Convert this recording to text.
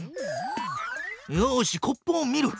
よしコップを見る！